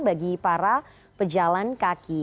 bagi para pejalan kaki